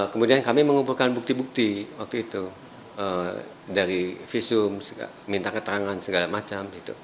kemudian kami mengumpulkan bukti bukti waktu itu dari visum minta keterangan segala macam